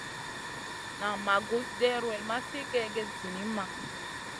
Nan ma gus ɗewrel ma sli kègèd zinimma.